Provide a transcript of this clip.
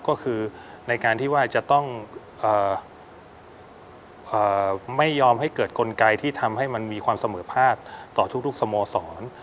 ก็คือในการที่ว่าจะต้องไม่ยอมให้เกิดกลไกที่ทำให้มันมีความเสมอภาคต่อทุกสโมสร